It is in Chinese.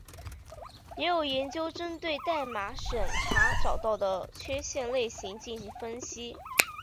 也有研究针对代码审查找到的缺陷类型进行分析。